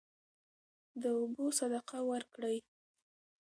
د اوبو صدقه ورکړئ.